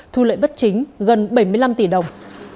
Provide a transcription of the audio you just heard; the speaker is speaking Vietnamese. thu lợi bất chính gần bảy mươi năm tỷ đồng